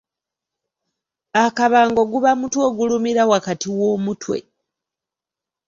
Akabango guba mutwe ogulumira wakati w'omutwe.